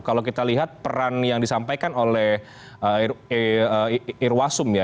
kalau kita lihat peran yang disampaikan oleh irwasum ya